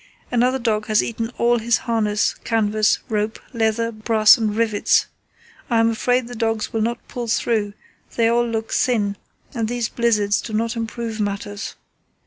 Another dog has eaten all his harness, canvas, rope, leather, brass, and rivets. I am afraid the dogs will not pull through; they all look thin and these blizzards do not improve matters....